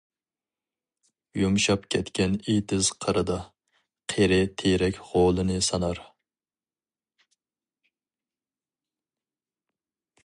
يۇمشاپ كەتكەن ئېتىز قىرىدا، قېرى تېرەك غولىنى سانار.